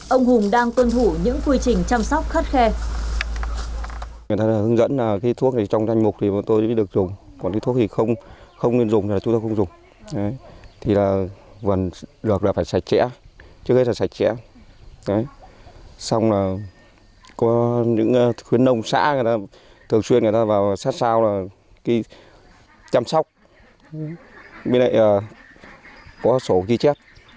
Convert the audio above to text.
ông hùng đang tuân thủ những quy trình chăm sóc khắt khe